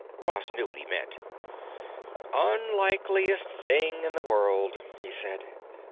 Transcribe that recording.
Ross knew what he meant. "Unlikeliest thing in the world," he said.